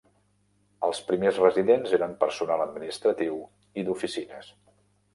Els primers residents eren personal administratiu i d'oficines.